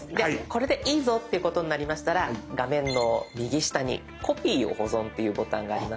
これでいいぞってことになりましたら画面の右下に「コピーを保存」というボタンがありますので。